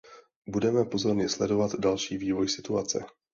Budeme pozorně sledovat další vývoj situace.